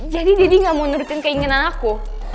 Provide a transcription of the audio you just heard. jadi daddy gak mau nurutin keinginan aku